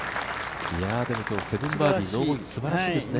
７バーディー、ノーボギーすばらしいですね。